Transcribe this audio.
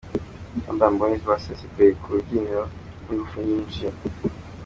Urban Boyz basesekaye ku rubyiniro n'ingufu nyinshi.